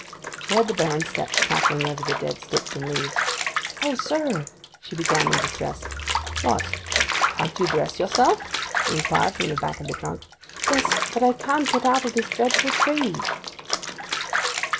She heard the Baron's steps crackling over the dead sticks and leaves. 'O, sir!' she began in despair. 'What—can't you dress yourself?' he inquired from the back of the trunk. 'Yes; but I can't get out of this dreadful tree!